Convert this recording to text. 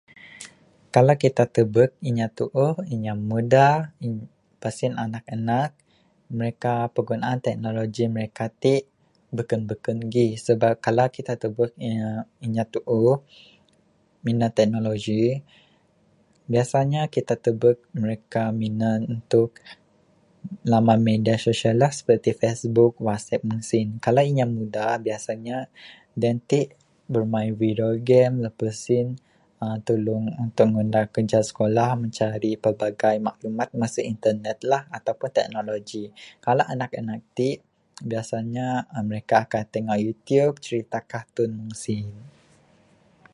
Kalau kita tubek inya tuuh, inya mudar, pas sien anak anak mereka penggunaan teknologi mereka ti beken beken gih. Kalau kita tubek inya tuuh minan teknologi biasanya kita tubek mereka minan tuk minan laman media social lah seperti Facebook, WhatsApp. Kalau inya muda biasanya then ti bermain video game lapas sien tulung untuk ngunah kerja sekolah mencari pelbagai maklumat masu internet lah ataupun teknologi. Kalau anak anak ti biasanya mereka tengok YouTube cerita kartun meng sien.